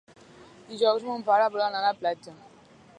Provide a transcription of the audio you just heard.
Dijous mon pare vol anar a la platja.